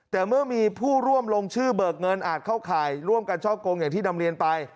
แต่เมื่อมีผู้ร่วมลงชื่อเบิกเงินอาจเข้าข่ายร่วมกันช่อกงอย่างที่นำเรียนไป